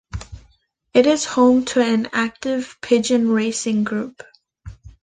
It is home to an active pigeon racing group.